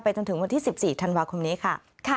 จนถึงวันที่๑๔ธันวาคมนี้ค่ะ